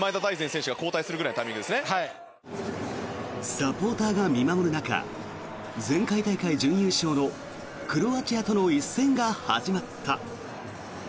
サポーターが見守る中前回大会準優勝のクロアチアとの一戦が始まった。